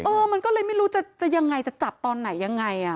มันก็เลยไม่รู้จะยังไงจะจับตอนไหนยังไง